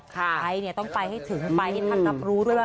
คัมไทยนี้ต้องไปให้ถึงไปค่ะท่านท่านครัพรู้ด้วยค่ะ